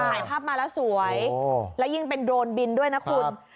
ถ่ายภาพมาแล้วสวยและยิ่งเป็นโดรนบินด้วยนะคุณ